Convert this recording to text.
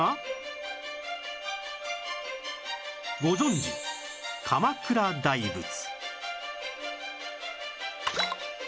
ご存じ鎌倉大仏